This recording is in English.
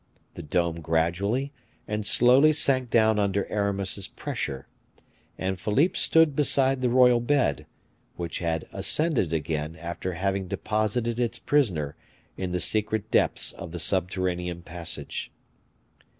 The dome gradually and slowly sank down under Aramis's pressure, and Philippe stood beside the royal bed, which had ascended again after having deposited its prisoner in the secret depths of the subterranean passage.